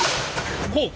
こうか。